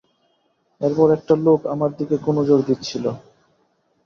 এরপর একটা লোক আমার দিকে কুনজর দিচ্ছিল।